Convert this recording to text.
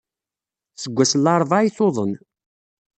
Seg wass n laṛebɛa ay tuḍen.